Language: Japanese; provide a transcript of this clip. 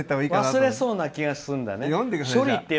忘れそうな気がするんだね。